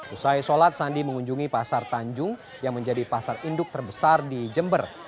usai sholat sandi mengunjungi pasar tanjung yang menjadi pasar induk terbesar di jember